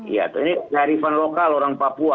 ya ini kearifan lokal orang papua